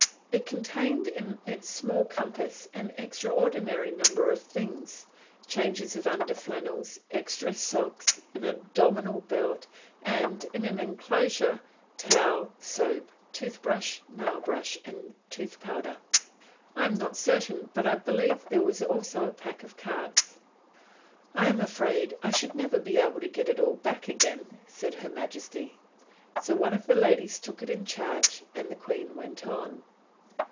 It contained in its small compass an extraordinary number of things changes of under flannels, extra socks, an abdominal belt, and, in an inclosure, towel, soap, toothbrush, nailbrush and tooth powder. I am not certain, but I believe there was also a pack of cards. "I am afraid I should never be able to get it all back again!" said Her Majesty. So one of the ladies took it in charge, and the Queen went on.